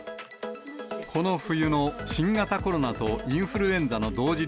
この冬の新型コロナとインフルエンザの同時